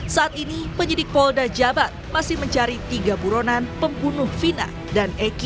saat ini penyidik polda jabar masih mencari tiga buronan pembunuh vina dan eki